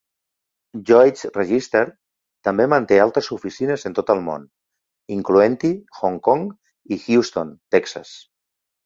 Lloyd's Register també manté altres oficines en tot el món, incloent-hi Hong Kong i Houston, Texas.